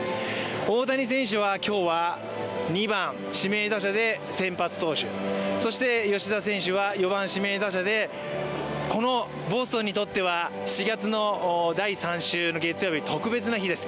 大谷選手は今日は２番・指名打者で先発投手、そして吉田選手は４番・指名打者でボストンにとっては４月の第３週、特別な日です。